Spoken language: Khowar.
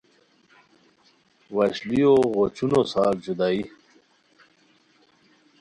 وشلیو غوچونو سار جدائیی